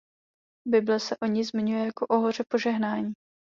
Bible se o ní zmiňuje jako o hoře požehnání.